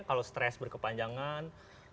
kalau stress berkepanjangan